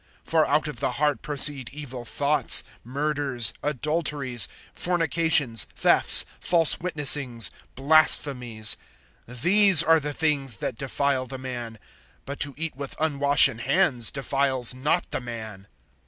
(19)For out of the heart proceed evil thoughts, murders, adulteries, fornications, thefts, false witnessings, blasphemies. (20)These are the things that defile the man; but to eat with unwashen hands defiles not the man.